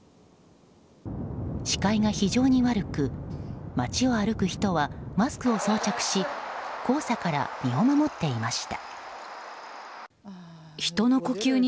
視界が非常に悪く街を歩く人はマスクを装着し黄砂から身を守っていました。